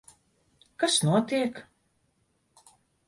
Kas notiek?